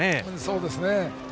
そうですね。